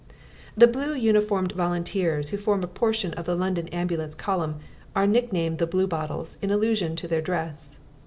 The blue uniformed volunteers who form a portion of the London Ambulance Column are nicknamed the Bluebottles in allusion to their dress.